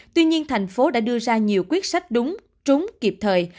tuy nhiên thành phố đã đưa ra nhiều quyết sách đúng trúng kịp thời